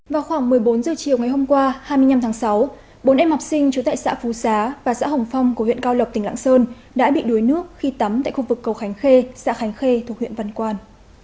vào khoảng một mươi bốn h chiều ngày hôm qua hai mươi năm tháng sáu bốn em học sinh trú tại xã phú xá và xã hồng phong của huyện cao lộc tỉnh lạng sơn đã bị đuối nước khi tắm tại khu vực cầu khánh khê xã khánh khê thuộc huyện văn quan